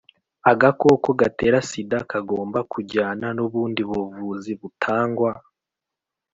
agakoko gatera sida kagomba kujyana n’ubundi buvuzi butangwa